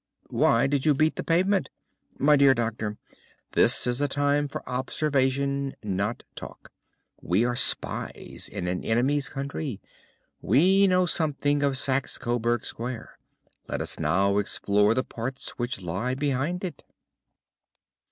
"Why did you beat the pavement?" "My dear doctor, this is a time for observation, not for talk. We are spies in an enemy's country. We know something of Saxe Coburg Square. Let us now explore the parts which lie behind it."